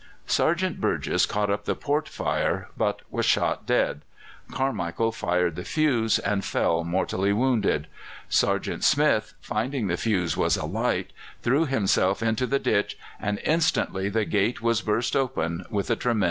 Sergeant Burgess caught up the portfire, but was shot dead. Carmichael fired the fuse, and fell mortally wounded. Sergeant Smith, finding the fuse was alight, threw himself into the ditch, and instantly the gate was burst open with a tremendous crash.